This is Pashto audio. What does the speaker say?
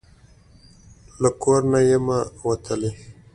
له کور نه یمه وتلې